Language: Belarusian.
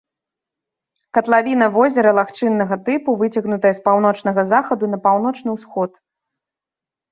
Катлавіна возера лагчыннага тыпу, выцягнутая з паўночнага захаду на паўночны ўсход.